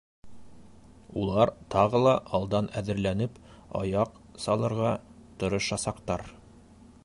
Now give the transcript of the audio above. Улар тағы ла алдан әҙерләнеп аяҡ салырға тырышасаҡтар.